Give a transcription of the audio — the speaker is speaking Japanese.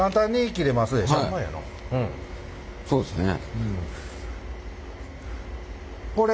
そうですね。